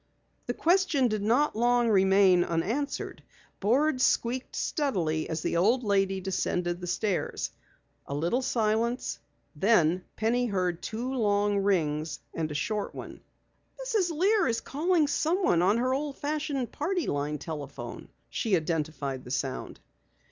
The question did not long remain unanswered. Boards squeaked steadily as the old lady descended the stairs. A little silence. Then Penny heard two long rings and a short one. "Mrs. Lear is calling someone on the old fashioned party line telephone!" she identified the sound.